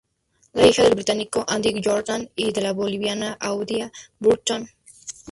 Es hija del británico Andy Jordan y de la boliviana Aida Burton.